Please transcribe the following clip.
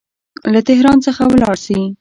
له تهران څخه ولاړ سي.